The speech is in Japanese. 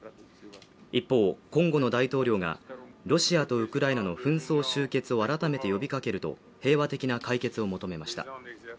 一方コンゴの大統領がロシアとウクライナの紛争終結を改めて呼びかけると平和的な解決を求めました